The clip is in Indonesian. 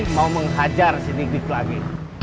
mau menghajar sedikit lagi